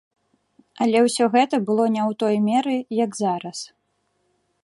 Але ўсё гэта было не ў той меры, як зараз.